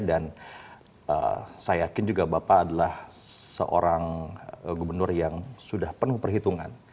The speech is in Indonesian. dan saya yakin juga bapak adalah seorang gubernur yang sudah penuh perhitungan